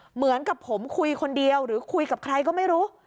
เหมือนกับผมคุยคนเดียวหรือคุยกับใครก็ไม่รู้